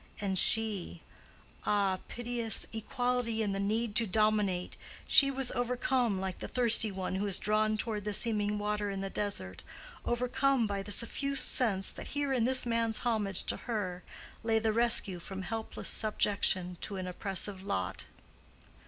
And she—ah, piteous equality in the need to dominate!—she was overcome like the thirsty one who is drawn toward the seeming water in the desert, overcome by the suffused sense that here in this man's homage to her lay the rescue from helpless subjection to an oppressive lot.